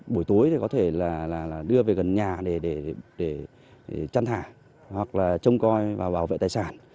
buổi tối có thể đưa về gần nhà để chăn thả hoặc trông coi và bảo vệ tài sản